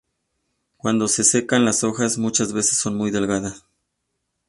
Cuando se secan, las hojas muchas veces son muy delgadas.